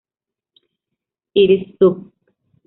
Iris subg.